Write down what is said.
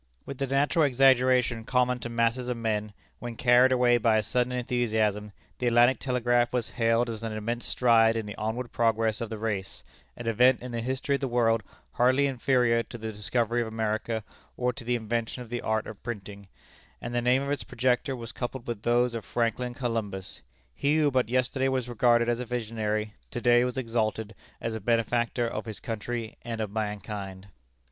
With the natural exaggeration common to masses of men, when carried away by a sudden enthusiasm, the Atlantic Telegraph was hailed as an immense stride in the onward progress of the race, an event in the history of the world hardly inferior to the discovery of America, or to the invention of the art of printing; and the name of its projector was coupled with those of Franklin and Columbus. He who but yesterday was regarded as a visionary, to day was exalted as a benefactor of his country and of mankind.